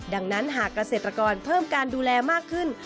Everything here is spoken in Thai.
ดังนั้นหากเกษตรกรเพิ่มการดูแลมากขึ้น